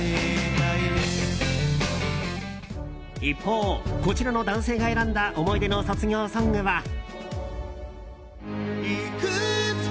一方、こちらの男性が選んだ思い出の卒業ソングは。